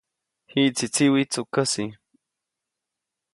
Jiʼtsi tsiwi tsukäsi.